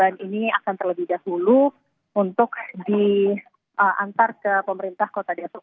ini akan terlebih dahulu untuk diantar ke pemerintah kota depok